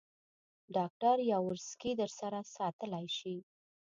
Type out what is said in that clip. ډاکټر یاورسکي در سره ساتلای شې.